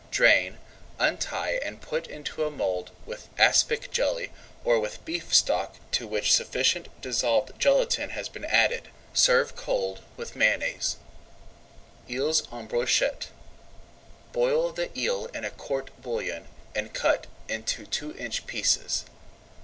Drain, untie, and put into a mould with aspic jelly, or with beef stock to which sufficient dissolved gelatine has been added. Serve cold with Mayonnaise. [Page 130] EELS EN BROCHETTE Boil the eel in a court bouillon and cut into two inch pieces.